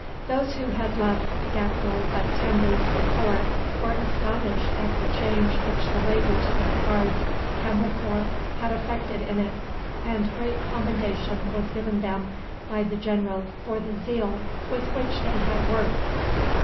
Those who had left Gakdul but ten days before were astonished at the change which the labours of the Guards' Camel Corps had effected in it, and great commendation was given them by the general for the zeal with which they had worked.